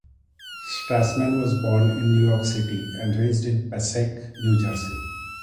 Strassman was born in New York City and raised in Passaic, New Jersey.